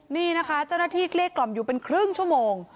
นี่นะคะเจ้าหน้าที่เกลี้ยกล่อมอยู่เป็นครึ่งชั่วโมง